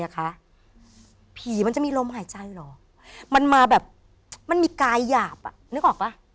ผีมันจะมีลมหายใจเหรอมันมาแบบมันมีกายหยาบอ่ะนึกออกป่ะ